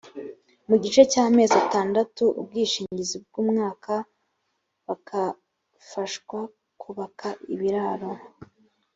mu gihe cy amezi atandatu ubwishingizi bw umwaka bakafashwa kubaka ibiraro